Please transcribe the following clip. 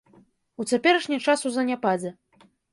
У цяперашні час у заняпадзе.